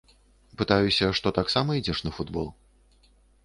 Пытаюся, што таксама ідзеш на футбол.